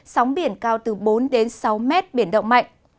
sóng biển cao từ bốn đến sáu mét biển động mạnh